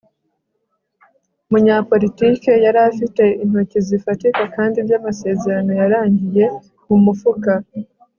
Umunyapolitike yari afite intoki zifatika kandi byamasezerano yarangiye mumufuka